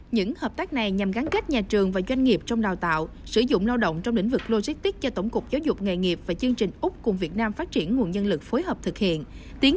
những hợp tác này nhằm gắn kết nhà trường và doanh nghiệp trong đào tạo sử dụng lao động trong lĩnh vực logistics cho tổng cục giáo dục nghề nghiệp và chương trình úc cùng việt nam phát triển nguồn nhân lực phối hợp thực hiện